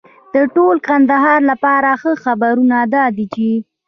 د ټول کندهار لپاره ښه خبرونه دا دي چې